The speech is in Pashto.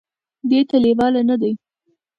دې ته لېواله نه دي ،